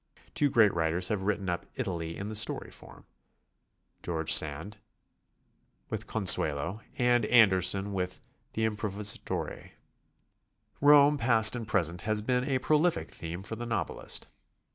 Two great v/riters have written up Italy in the story form, George Sand with "Con 252 GOING ABROAD? suelo," and Andersen with "The Impfovisatore/' Rome past and present has been a prolihc theme for the novelist.